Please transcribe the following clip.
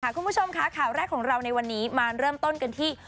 คุณผู้ชมค่ะข่าวแรกของเราในวันนี้มาเริ่มต้นกันที่